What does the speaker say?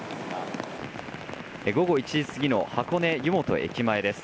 午後１時過ぎの箱根湯本駅前です。